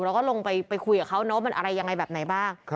เราก็ลงไปคุยกับเขาเนอะว่ามันอะไรยังไงแบบไหนบ้าง